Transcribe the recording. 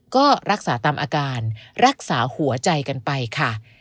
ก็รักษาตามอาการรักษาหัวใจกันไปค่ะ